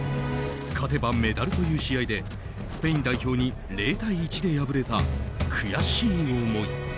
勝てばメダルという試合でスペイン代表に０対１で敗れた悔しい思い。